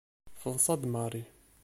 Teḍṣa-d Mary.